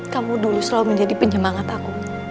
kamu dulu selalu menjadi penyemangat aku